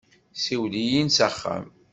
Siwel-iyi-n s axxam.